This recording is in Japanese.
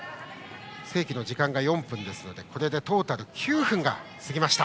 正規の時間が４分ですのでトータル９分が過ぎました。